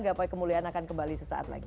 gapai kemuliaan akan kembali sesaat lagi